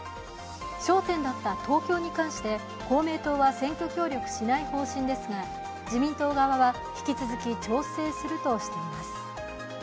焦点だった東京に関して公明党は選挙協力しない方針ですが自民党側は、引き続き調整するとしています。